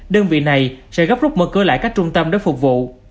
đơn vị này sẽ gấp rút mở cửa lại các trung tâm để phục vụ